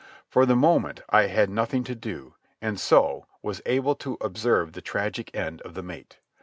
For the moment I had nothing to do, and so was able to observe the tragic end of the mate.